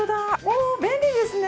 おお便利ですね！